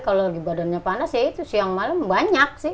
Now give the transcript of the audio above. kalau lagi badannya panas ya itu siang malam banyak sih